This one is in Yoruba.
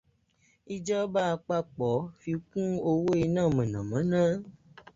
Ìjọba àpapọ̀ finkún owó iná mọ̀nàmọ́ná.